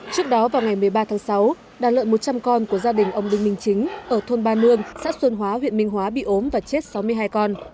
trước đó vào ngày một mươi ba tháng sáu đàn lợn một trăm linh con của gia đình ông đinh minh chính ở thôn ba nương xã xuân hóa huyện minh hóa bị ốm và chết sáu mươi hai con